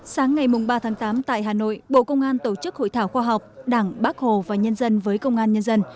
sáng ngày ba tháng tám tại hà nội bộ công an tổ chức hội thảo khoa học đảng bác hồ và nhân dân với công an nhân dân